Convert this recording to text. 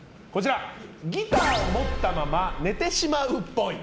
ギターを持ったまま寝てしまうっぽい。